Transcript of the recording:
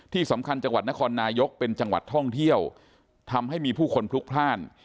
ที่จังหวัดนครนายกเป็นจังหวัดท่องเที่ยวทำให้มีผู้คนพลุกพลาด